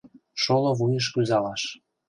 Шоло вуйыш кӱзалаш